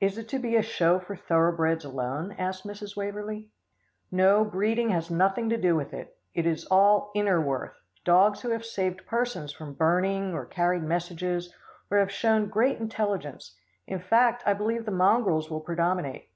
"Is it to be a show for thoroughbreds alone?" asked Mrs. Waverlee. "No, breeding has nothing to do with it. It is all inner worth dogs who have saved persons from burning or carried messages, or who have shown great intelligence. In fact, I believe the mongrels will predominate."